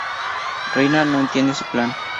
Rina no entiende su plan.